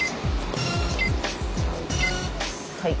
はい。